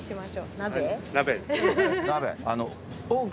鍋。